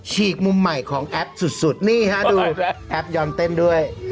ฉีกมุมใหม่ของแอปสุดนี่ฮะดูแอปยอมเต้นด้วย